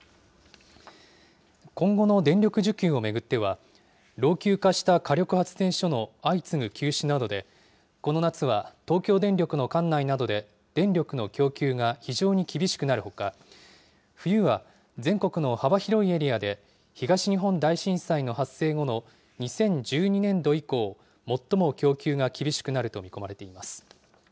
今後の電力需給を巡っては、老朽化した火力発電所の相次ぐ休止などで、この夏は東京電力の管内などで、電力の供給が非常に厳しくなるほか、冬は全国の幅広いエリアで東日本大震災の発生後の２０１２年度以降、最も供給が厳しくなると見込まれています。